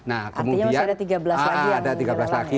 artinya masih ada tiga belas lagi yang dilelang ya